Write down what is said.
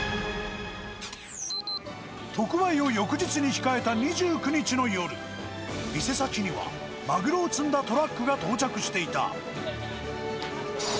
特売を翌日に控えた２９日の夜、店先には、マグロを積んだトラックが到着していた。